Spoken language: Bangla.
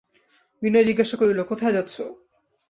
বিনয় জিজ্ঞাসা করিল, কোথায় যাচ্ছ?